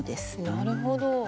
なるほど。